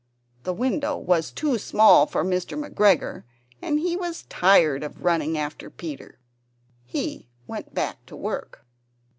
The window was too small for Mr. McGregor, and he was tired of running after Peter. He went back to his work.